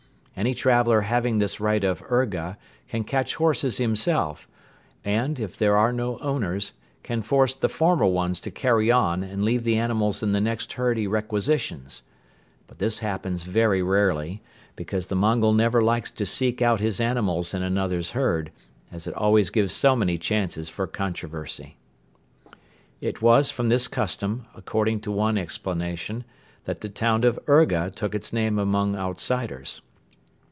Any traveler having this right of urga can catch horses himself and, if there are no owners, can force the former ones to carry on and leave the animals in the next herd he requisitions. But this happens very rarely because the Mongol never likes to seek out his animals in another's herd, as it always gives so many chances for controversy. It was from this custom, according to one explanation, that the town of Urga took its name among outsiders.